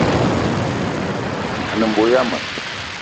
A ne mbo yama